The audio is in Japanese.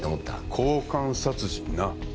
交換殺人な。